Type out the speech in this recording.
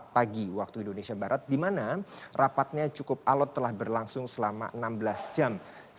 pagi waktu indonesia barat di mana rapatnya cukup alot telah berlangsung selama enam belas jam